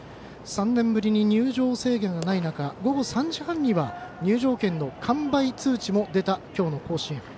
３年ぶりに入場制限がない中午後３時半には入場券の完売通知も出た今日の甲子園。